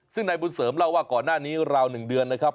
ซึ่งนายบุญเสริมเล่าว่าก่อนหน้านี้ราว๑เดือนนะครับ